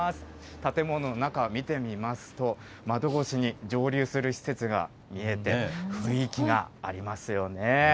建物の中、見てみますと、窓越しに蒸留する施設が見えて、雰囲気がありますよね。